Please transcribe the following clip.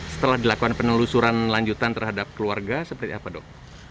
setelah dilakukan penelusuran lanjutan terhadap keluarga seperti apa dok